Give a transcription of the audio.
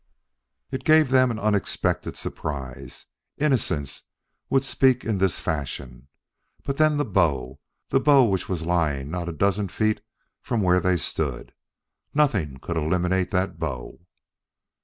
It gave them an unexpected surprise. Innocence would speak in this fashion. But then the bow the bow which was lying not a dozen feet from where they stood! Nothing could eliminate that bow.